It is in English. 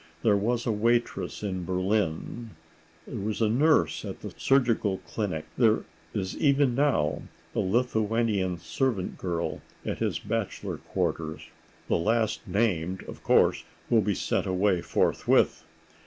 There was a waitress in Berlin; there was a nurse at the surgical clinic; there is even now a Lithuanian servant girl at his bachelor quarters. The last named, of course, will be sent away forthwith.